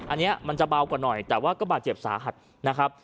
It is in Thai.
อันนี้มันจะเบากว่าหน่อยแต่ว่าก็บาดเจ็บสาหัสนะครับ